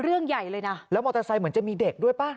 เรื่องใหญ่เลยนะแล้วมอเตอร์ไซค์เหมือนจะมีเด็กด้วยป่ะ